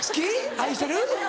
愛してる？」。